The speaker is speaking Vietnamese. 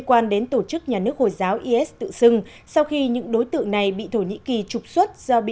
quan đến tổ chức nhà nước hồi giáo is tự xưng sau khi những đối tượng này bị thổ nhĩ kỳ trục xuất do bị